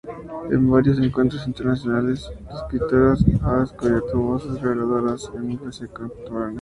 En varios encuentros internacionales de escritoras, ha descubierto voces reveladoras en la poesía contemporánea.